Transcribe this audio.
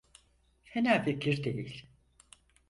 Fena fikir değil.